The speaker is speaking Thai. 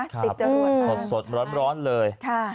ติดจรวดมากนะครับค่ะค่ะนะฮะสดร้อนเลย